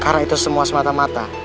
karena itu semua semata mata